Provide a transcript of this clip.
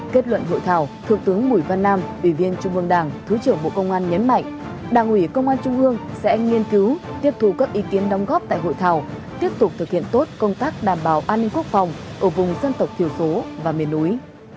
kết luận hội thảo thượng tướng bùi văn nam ủy viên trung ương đảng thứ trưởng bộ công an nhấn mạnh đảng ủy công an trung ương sẽ nghiên cứu tiếp thù các ý kiến đóng góp tại hội thảo tiếp tục thực hiện tốt công tác đảm bảo an ninh quốc phòng ở vùng dân tộc thiểu số và miền núi